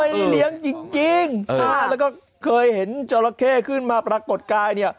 เลี้ยงจริงแล้วก็เคยเห็นจราเข้ขึ้นมาปรากฏกายเนี่ย